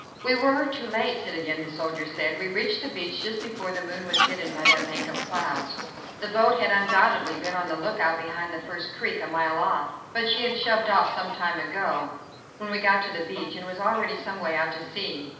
"We were too late, citoyen," the soldier said, "we reached the beach just before the moon was hidden by that bank of clouds. The boat had undoubtedly been on the look out behind that first creek, a mile off, but she had shoved off some time ago, when we got to the beach, and was already some way out to sea.